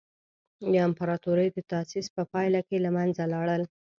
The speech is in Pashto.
د امپراتورۍ د تاسیس په پایله کې له منځه لاړل.